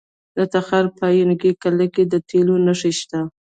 د تخار په ینګي قلعه کې د تیلو نښې شته.